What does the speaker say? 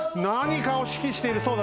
何かを指揮している。